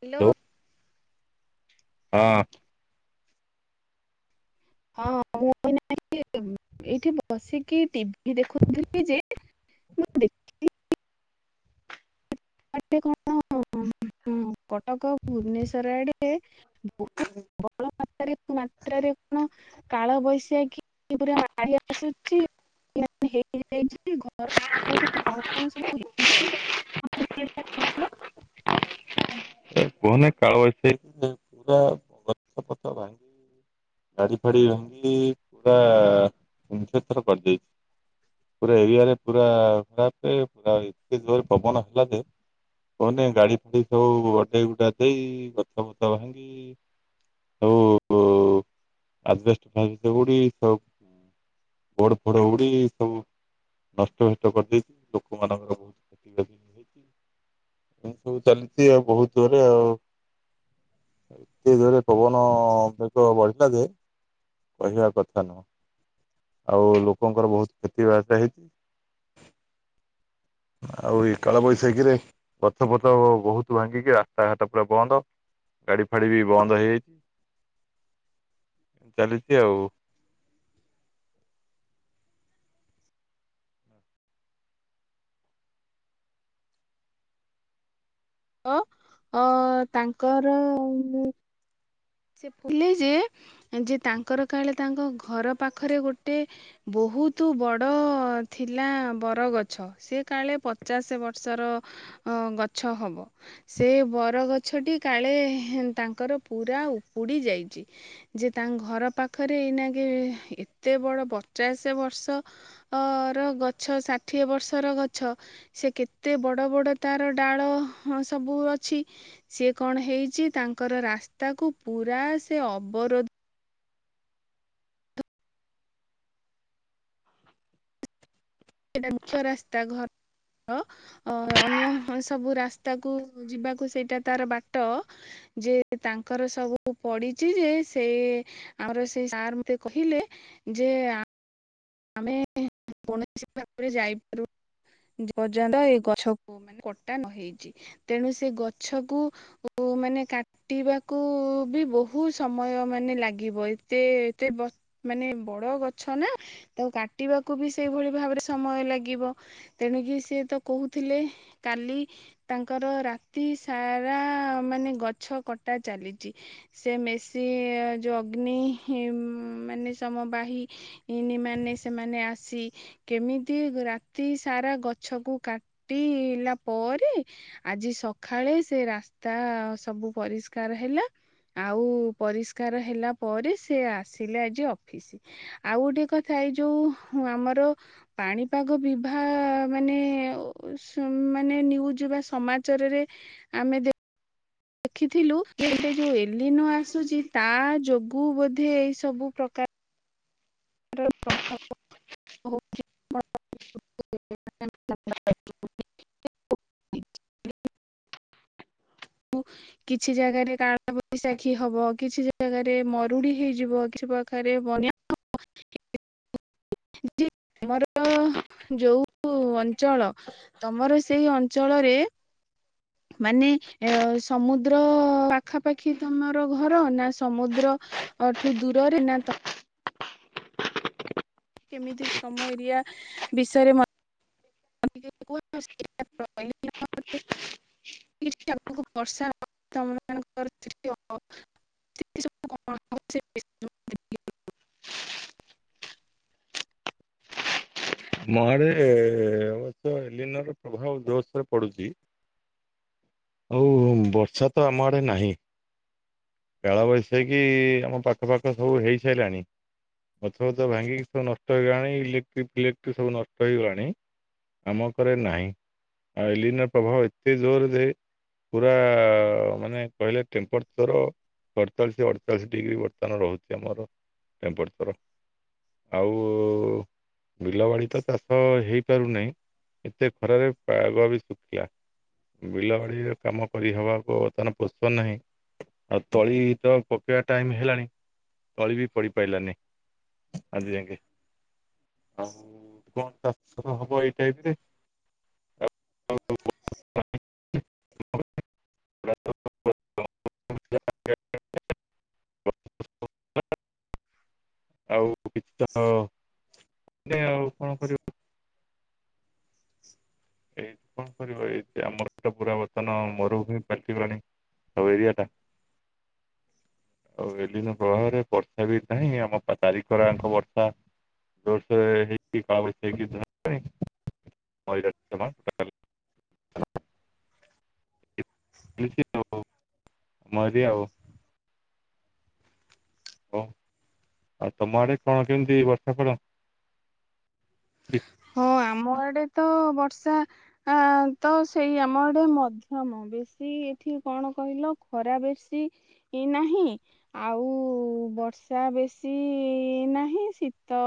Hello. ହଁ। ହଁ ମୁଁ ଏନା [unintelligible] ଏଇଠି ବସିକି ଟିଭି ଦେଖୁଥିଲି ଯେ ମୁ ଦେଖିଲି ଆଡେ କଣ କଟକ ଭୁବନେଶ୍ଵର ଆଡେ ବହୁତ ବଡ ମାତ୍ରାରେ ମାତ୍ରାରେ କଣ? କାଳ ବୈଶାଖୀ ପୁରା ମାଡି ଆସୁଛି। ହେଇଯାଇଛି ଘର ସୁ କଣ କଣ ସବୁ ହେଇଚି [unintelligible] କୁହନି କାଳ ବୈଶାଖୀ ହେଇକ ପୁରା ଗଛ ପତ୍ର ଭାଙ୍ଗି ଗାଡି ଫାଡି ଭାଭଙ୍ଗି ପୁରା ଛିନ୍ ଛତର କରିଦେଇଛି। ପୁରା ଏରିଆରେ ପୁରା ଖରାପ ପୁରା ଏତେ ଜୋରେ ପବନ ହେଲା ଯେ କୁହନେଇ ଗାଡି ଫାଡି ସବୁ ଅଟକେଇ ଉଟୁକା ଦେଇ ଗଛ ମୁଛ ଭାଙ୍ଗି ସବୁ ଆଜବେଷ୍ଟ୍ ଫାଜବେଷ୍ଟ ଉଡ଼ି ସବୁ ବୋର୍ଡ ଫୋଡ ଉଡ଼ି ସବୁ ନଷ୍ଟ ଭଷ୍ଟୁ କରିଦେଇଛି ଲୋକମାନଙ୍କର ବହୁତ କ୍ଷୟ ଖ୍ୟାତି ହେଇଛି। ଏ ସବୁ ଚାଲିଛି ଆଉ ବହୁତ ଦୂରେ ଆଉ ଏତେ ଯୋରେ ପବନ ବେଗ ବଢିଲା ଯେ କହିବା କଥା ନୁହ। ଆଉ ଲୋକଙ୍କର ବହୁତ କ୍ଷତି ବା ହେଇଛି। ଆଉ ଏଇ କାଳବୈଶାଖୀରେ ଗଛ ଫଚ ବହୁତ ଭାଙ୍ଗିକି ରାସ୍ତାଘାଟ ପୁରା ବନ୍ଦ। ଗାଡି ଫାଡି ବି ବନ୍ଦ ହେଇଯାଇଛି। [inaudible] ଚାଲିଛି ଆଉ। ତ ଅ ତାଙ୍କର ସେ କହିଲେ ଯେ ଯେ ତାଙ୍କର କାଳେ ତାଙ୍କ ଘର ପାଖରେ ଗୋଟେ ବ ବହୁତ ବଡ଼ ଥିଲା ବରଗଛ ସେ କାଳେ ପଚାଶ ବର୍ଷର ଆଁ ଗଛ ହବ। ସେ ବରଗଛଟି କାଳେ ତାଙ୍କର ପୁରା ଓପ ପୋଡି ଯାଇଛି। ଯେ ତାଙ୍କ ଘର ପାଖରେ ଏନା କେ ଏତେ ବଡ ପଚା ବ୍ ଆ ର ଗଛ ଷାଠିଏ ବର୍ଷର ଗଛ ସେ କେତେ ବଡ଼ ବଡ଼ ତା ର ଡାଳ ସବୁ ଅଛି। ସେ କଣ ହେଇଚି ତାଙ୍କର ରାସ୍ତାକୁ ପୁରା ସେ ଅବରୋଧ ସେଇଟା ମୁକ୍ଷ ରାସ୍ତା ଘର ଅନ୍ୟ ସବୁ ରାସ୍ତାକୁ ଯିବାକୁ ସେଇଟା ତାର ବାଟ ଯେ ତାଙ୍କର ସବୁ ପଡିଛି ଯେ ସେ ଆମର ସେ ସାର୍ ମତେ କହିଲେ ଯେ ଆମେ କୌଣସି ହିସାବରେ ଯାଇପାରୁ ପର୍ଯନ୍ତ ଏ ଗଛକୁ ମାନେ କଟା ନ ହେଇଛି ତେଣୁ ସେ ଗଛକୁ ମାନେ କାଟିବାକୁ ବି ବହୁତ ସମୟ ମାନେ ଲାଗିବ ଏତେ ମାନେ ବଡ ଗଛ ନା ତ କାଟିବାକୁ ବି ସେଇଭଳି ଭାବରେ ସମୟ ଲାଗିବ ତେଣିକି ସିଏ ତ କହୁଥିଲେ କାଲି ତାଙ୍କର ରାତି ସାରା ମାନେ ଗଛ କଟା ଚାଲିଛି। ସେ ମେସି ଯୋଉ ଅଗ୍ନି ମାନେ ସମ ବାହି ଇନ୍ମା ମେ ସେମାନେ ଆସି କେମିତି ରାତି ସାରା ଗଛକୁ କାଟିିଲା ପରେ ଆଜି ସକାଳେ ସେ ରାସ୍ତା ସବୁ ପରିଷ୍କାର ହେଲା ଆଉ ପରିଷ୍କାର ହେଲା ପରେ ସେ ଆସିଲେ ଆଜି ଅଫିସ ଆଉ ଗୋଟେ କଥା ଥା ଏଇ ଯୋଉ ଆମର ପାଣିପାଗ ବିଭହା ମାନେ ମାନେ ନ୍ୟୁଜ ବା ସମାଚାରରେ ଆମେ ଯେ ଦେଖିଥିଲୁ ଏବେ ଯୋଉ ଏଲିନୋ ଆସୁଚି ତା ଯୋଗୁଁ ବୋଧେ ଏଇ ସବୁ ପ୍ରକାର ପ୍ରକାର ପ୍ରଭାବ ହଉଚି [unintelligible] [inaudible] [inaudible] ବୁ କିଛି ଜାଗାରେ କାଳ ବୈଶାଖୀ ହବ କିଛି ଜାଗାରେ ମରୁଡି ହେଇଯିବ କି ପାଖରେ ବନ୍ୟ [unintelligible] ଆମର ଯୋଉ ଅଞ୍ଚଳ ତମର ସେଇ ଅଞ୍ଚଳରେ ମାନେ ଅ ସମୁଦ୍ର ପାଖାପାଖି ତମର ଘର ନା ସମୁଦ୍ର ଅଠୁ ଦୂରରେ ନା ତ କେମିତି ତମ ଏରିଆ ବିଷୟରେ ମ ତେ ଟିକେ କୁହ, ଆଉ ସେଇଟା [unintelligible] ଆଗକୁ ବର୍ଷା [unintelligible] [inaudible] ମହାରେ ଅବଶ୍ୟ ଏଲିନୋ ର ପ୍ରଭାବ ଜୋରସରେ ପଡୁଛି। ହଉ ବର୍ଷା ତ ଆମ ଆଡେ ନାହିଁ। କାଳ ବୈସାକି ଆମ ପାଖ ପାଖ ସବୁ ହେଇ ସାରିଲାଣି। ଗଛ ଫଛ ଭାଙ୍ଗିକି ସବୁ ନଷ୍ଟ ହେଇଗଲାଣି ଇଲେକ୍ଟ୍ରିକ ଫିଲେକ୍ଟ୍ରି ସବୁ ନଷ୍ଟ ହେଇଗଲାଣି। ଆମକରେ ନାହିଁ ଆଉ ଏଲିନର ପ୍ରଭାବ ଏତେ ଜୋର ଯେ ପୁରା ମାନେ କହିଲେ ଟେମ୍ପରଚର ଅଡ଼ଚାଳିଶ ଅଡଚାଳିଶ ଡିଗ୍ରୀ ବର୍ତ୍ତମାନ ରହୁଚି ଆମର ଟେମ୍ପରେଚର। ଆଉ ବିଲ ବାଡି ତ ଚାଷ ହେଇ ପାରୁ ନାହିଁ ଏତେ ଖରାରେ ପାଗ ବି ଶୁଖିଲା ବିଲ ବାଡ଼ି ଆଉ କାମ କରିହବାକୁ ବର୍ତ୍ତମାନ ପ୍ରସ୍ତୁତ ନାହିଁ। ଆଉ ତଳି ତ ପକେଇବା ଟାଇମ ହେଲାଣି ତଳି ବି ପଡି ପାରିଲାନି। ଆଜି ଆଂକେ। ଆଉ କଣ ଚାଷ ହବ ଏଇ ଟାଇପରେ, ଆଉ [inaudible] [inaudible] ଆଉ କିଛି ତ ମାନେ ଆଉ କଣ କରିବୁ? ଏଇ କଣ କରିବ ଏଇଠୀ ଆମର ଏ ତ ପୁରା ବର୍ତ୍ତନ ମୋରୁ ଭୁମି ପାଲଟିଗଲାଣି ଆଉ ଏରିଆଟା। ଆଉ ଏଲିନୋ ପ୍ରଭାବରେ ବର୍ଷା ବି ନାହିଁ ଆମ ଚାରିିକଡା ଯାଙ୍କ ବର୍ଷା। ଜୋରସୋର ରେ ହେଇକି [unintelligible] ଜମା [unintelligible] [unintelligible] ମରି ଆଉ। ଓ ଆଉ ତମ ଆଡେ କଣ କେମିତି ବର୍ଷା କର [inaudible] ହଁ ଆମ ଆଡେ ତ ବର୍ଷା ଆ ତ ସେଇ ଆମ ଆଡେ ମଧ୍ୟମ ବେଶୀ ଏଠି କଣ କହିଲ ଖରା ବେଶୀ ନାହିଁ ଆଉ ବର୍ଷା ବେଶୀ ନାହିଁ ଶୀତ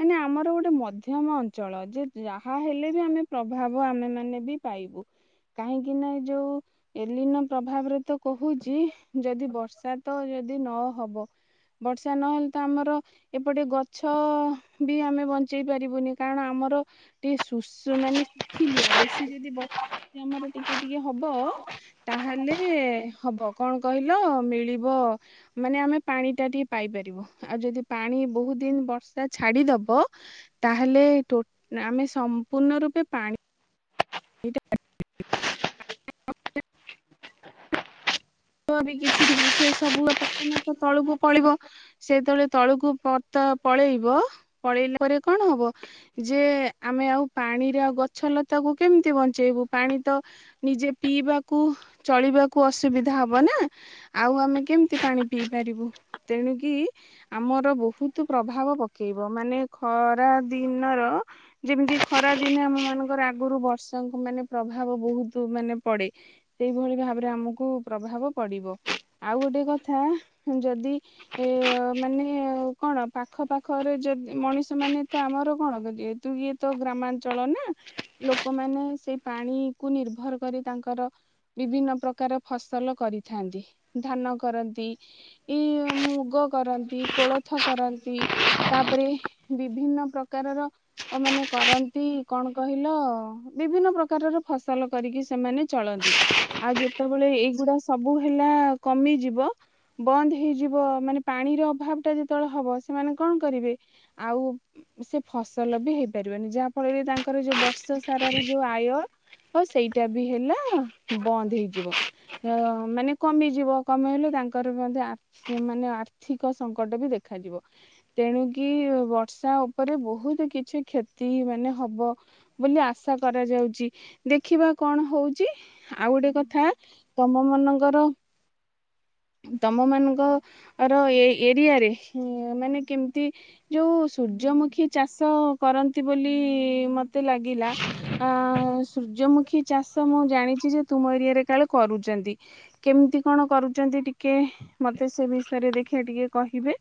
ମାନେ ଆମର ଗୋଟେ ମଧ୍ୟମ ଅଞ୍ ଞ୍ଚଳ ଯେ ଯାହା ହେଲେ ବି ଆମେ ପ୍ରଭାବ ଆମେ ମାନେ ବି ପାଇବୁ। କାହିଁକି ନା ଏ ଯୋଉ ଏଲିନ ପ୍ରଭାବରେ ତ କହୁଚି ଯଦି ବର୍ଷା ତ ଯଦି ନ ହବ ବର୍ଷା ନହେଲେ ତ ଆମର ଏପଟେ ଗଛ ବି ଆମେ ବଞ୍ଚେଇ ପାରିବୁନି। କାରଣ ଆମର ଟିକେ ଶୁ ମାନେ ଶୁଖିଲି ବେଶୀ ଯଦି ବ ଆମର ଟିକେ ଟିକେ ହବ ତାହେଲେ ହବ କଣ କହିଲ ମିଳିବ ବ, ମାନେ ଆମେ ପାଣି ଟା ଟିକେ ପାଇପାରିବ ଆଉ ଯଦି ପାଣି ବହୁତ ଦିନ ବର୍ଷା ଛାଡିଦବ ତାହେଲେ ଟୋ ଆମେ ସମ୍ପୂର୍ଣ ରୂପେ ପାଣି ଏଇଟା। ତ ବି କିଛି ବ ସେ ସବୁ ପ୍ରଥମତ ତଳୁକୁ ପଳିବ ସେତେବେଳେ ତଳୁକୁ ପ ପଳେଇବ ପଳେଇଲା ପରେ କଣ ହବ ଯେ ଆମେ ଆଉ ପାଣିରେ ଆଉ ଗଛ ଲତାକୁ କେମିତି ବଞ୍ଚେଇବୁ ପାଣି ତ ନିଜେ ପିଇବାକୁ ଚଳିବାକୁ ଅସୁବିଧା ହବ ନା। ଆଉ ଆମେ କେମିତି ପାଣି ପିଇ ପାରିବୁ ତେଣୁ କିି ଆମର ବହୁତ ପ୍ରଭାବ। ପକେଇବ ମାନେ ଖରା ଦିନର ଯେମିତି ଖରା ଦିନ ଆମ ମାନଙ୍କର ଆଗରୁ ବ ବର୍ଷଙ୍କ ମାନେ ପ୍ରଭାବ ବହୁତ ମାନେ ପଡେ ସେଇଭଳି ଭାବରେ ଆମକୁ ପ୍ରଭାବ ପଡିବ। ଆଉ ଗୋଟେ କଥା ଯଦି ଏ ମାନେ କଣ ପାଖ ପାଖରେ ଯଦି ି ମଣିଷ ମାନେ ତ ଆମର କଣ ଯେହେତୁ ଇଏ ତ ଗ୍ରାମାଞ୍ଚଳ ନା ଲୋ କମାନେ ସେଇ ପାଣିକୁୁ ନିର୍ଭର କରି ତାଙ୍କର ବିଭିନ୍ନ ପ୍ରକାର ଫସଲ କରିଥାନ୍ତି। ଧାନ କରନ୍ତି ଏଇ ମୁଗ କରନ୍ତି କୋଳଥ କରନ୍ତି। ତାପରେ ବିଭିନ୍ନ ପ୍ରକାରର ମାନେ କରନ୍ତି କଣ କହିଲ। ବିଭିନ୍ନ ପ୍ରକାରର ଫସଲ କରିକି ସେମାନେ ଚଳନ୍ତି ଆଉ ଯେତେବେଳେ ଏଇଗୁଡା ସବୁ ହେଲା କମିଯିବ ବନ୍ଦ ହେଇଯିବ ମାନେ ପାଣିର ଅଭାବ ଟା ଯେତେବେଳେ ହବ ସେମାନେ କଣ କରିବେ ଆଉ ସେ ଫସଲ ବି ହେଇପାରିବନି ଯାହା ଫଳରେ ତାଙ୍କର ଯୋଉ ବର୍ଷ ସାରାର ଯୋଉ ଆୟ ହ ସେଇଟା ବି ହେଲା ବନ୍ଦ ହେଇଯିବ। ମାନେ କମିଯିବ କମେଇଲେ ତାଙ୍କର ମଧ୍ୟ ମାନେ ଆର୍ଥିକ ସଙ୍କଟ ବି ଦେଖ ଦେଖାଯିବ ତେଣୁକି ବର୍ଷା ଉପରେ ବହୁତ କିଛି କ୍ଷତି ମାନେ ହବ। ବୋଲି ଆ ଆଶା କରାଯାଉଛି ଦେଖିବା କଣ ହଉଛି ଆଉ ଗୋଟେ କଥା ତମ ମାନଙ୍କର ର, ତମ ମାନଙ୍କ ର ଏରିଆ ରେ ମାନେ କେମିତି ଯୋଉ ସୂର୍ଯ୍ୟମୁଖୀ ଚାଷ କରନ୍ତି ବୋଲି ମୋତେ ଲାଗିଲା ପୂଜମୁଖୀ ଚାଷ ମୁଁ ଜାଣିଛି ଯେ ତୁମ ଏରିଆରେ କାଳେ କରୁଚନ୍ତି କେମିତି କଣ କରୁ ଚନ୍ତି ଟିକେ ମତେ ସେ ବିଷୟରେ ଦେଖିବା ଟିକେ କହିବେ।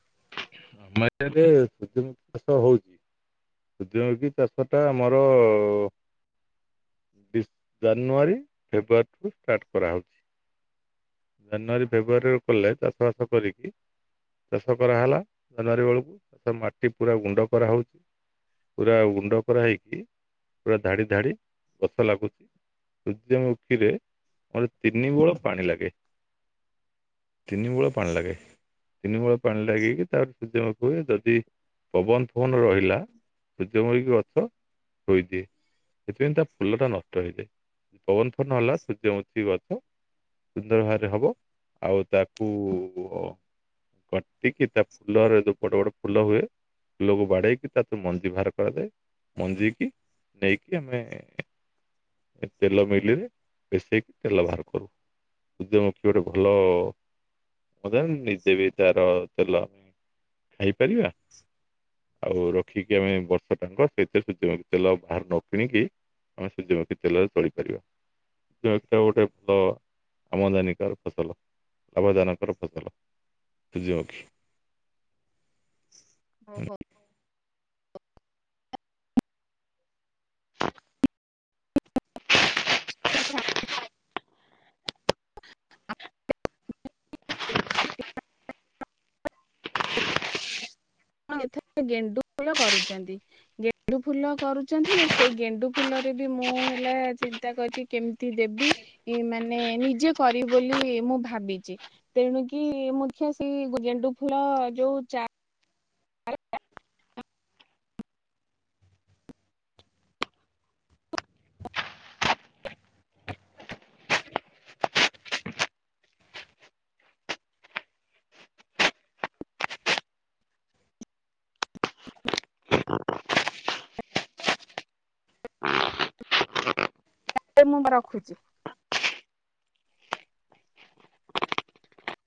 ଆମ ଏକରେ ସୂର୍ଯ୍ୟମୁଖି ଚାଷ ହଉଚି। ସୂର୍ଯ୍ୟମୁଖୀ ଚାଷ ଟା ଆମର ଅ ଜାନୁଆରୀ ଫେବୃଆରୀଠୁ ଷ୍ଟାର୍ଟ କରାହଉଚି। ଜାନୁଆରୀ ଫେବୃୁଆରୀରୁ କଲେ ଚାଷ ବାସ କରିକି ଚାଷ କରାହେଲା ଜାନୁଆରୀ ବେଳକୁ ତାରେ ମାଟି ପୁରା ଗୁଣ୍ଡ କରାହେଉଚି। ପୁରା ଗୁଣ୍ଡ କରା ହେଇକି ପୁରା ଧାଡି ଧାଡି ଗଛ ଲାଗୁଚି। ସୂର୍ଯ୍ୟମୁଖୀରେ ମୋଟେ ତିନି ବୋଳ ପାଣି ଲାଗେ। ତିନି ମୁଳ ପାଣି ଲଗେ। ତିନି ବୂଳେ ପାଣି ଲାଗିକି ତାପରେ ସୂର୍ଯ୍ୟମୁଖୀ ହୁଏ ଯଦି ପବନ ଫଵନ ରହିଲା ସୂର୍ଯ୍ୟମୁଖି ଗଛ ଶୋଇଦିଏ ସେଥିପାଇଁ ତା ଫୁଲଟା ନଷ୍ଟ ହେଇଯାଏ ପବନ ଫଵନ ହେଲା ସୂର୍ଯ୍ୟମୁତଖି ଗଛ ସୁନ୍ଦର ଭାବରେ ହବ ଆଉ ତାକୁ କଟିକି ତା ଫୁଲରେ ଯୋଉ ବଟ ବଡ ଫୁଲ ହୁଏ ଫୁଲକୁ ବାଡେଇକି ତାଠୁ ମଞ୍ଜିକି ବାହାର କରାଯାଏ ମଞ୍ଜିିକି ନେଇକି ଆମେ ତେଲ ମିଲରେ ପେଶେଇକି ତେଲ ବାହାର କରୁ। ସୂର୍ଯ୍ୟମୁଖୀ ଗୋଟେ ଭଲ ନିଜେ ବି ତାର ତେଲ ଖାଇପାରିବା। ଆଉ ରଖିକି ଆମେ ବର୍ଷ ଟାଙ୍କ ସେଇଥିରେ ସୂର୍ଯ୍ୟ ତେଲ ବାହାରୁ ନ କିଣିକି ଆମେ ସୂର୍ଯ୍ୟମୁଖୀ ତେଲରେ ଚଳିପାରିବା ସେଟା ଗୋଟେ ଫ ଆମଦାନୀ କରେ ଫସଲ ଲାଭଜନକର ଫସଲ। ସୁଯ୍ୟମୁଖୀ। ଓହୋ ତଥା। [inaudible] ଆଉ ଏଥରେ ଗେଣ୍ଡୁ ଫୁଲ କରୁଚନ୍ତି ଗେଣ୍ଡୁ ଫୁଲ କରୁଚନ୍ତି ଜେ ସେଇ ଗେଣ୍ଡୁ ଫୁଲ ବି ମୁଁ ହେଲା ଚିନ୍ତା କରିଚି କେମିତି ଦେବି, ମାନେ ନିଜେ କରି ବୋଲି ମୁଁ ଭାବିଚି ତେଣୁ କିି ମୁଖିଆ ସେଇ ଗଜେଣ୍ଡୁ ଫୁଲ ଯୋଉ ଚା ଆଞା। ଆଜ୍ଞା ମୁଁ ରଖୁଚି।